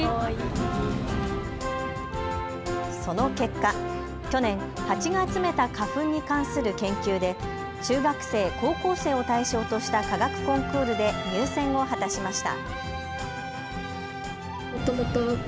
その結果、去年、ハチが集めた花粉に関する研究で中学生、高校生を対象とした科学コンクールで入選を果たしました。